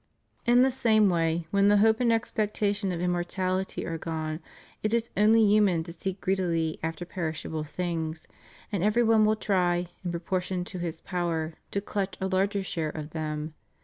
In the same way, when the hope and expectation of immortality are gone, it is only human to seek greedily after perishable things, and every one will try, in proportion to his power, to clutch a larger share of them.